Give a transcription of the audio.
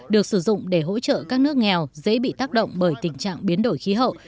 được sử dụng để hỗ trợ các nước nghèo dễ bị tác động bởi tình trạng biến đổi khí hậu